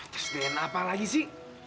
terus dna apa lagi sih